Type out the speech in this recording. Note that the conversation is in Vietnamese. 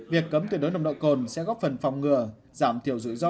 việc cấm tuyệt đối nồng độ cồn sẽ góp phần phòng ngừa giảm thiểu rủi ro